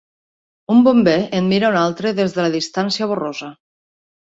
Un bomber en mira un altre des de la distància borrosa.